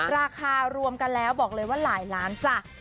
ราคารวมกันแล้วบอกเลยว่าหลายล้านจ้ะ